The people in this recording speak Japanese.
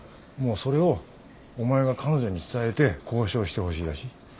もうそれをお前が彼女に伝えて交渉してほしいらしい。